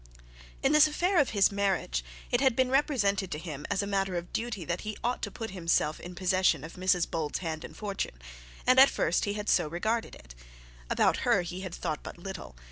In this affair of his marriage, it had been represented to him as a matter of duty that he ought to put himself in possession of Mrs Bold's hand and fortune; and at first he had so regarded it. About her he had thought but little.